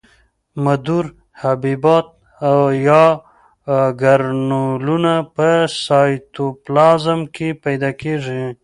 مدور حبیبات یا ګرنولونه په سایتوپلازم کې پیدا کیږي.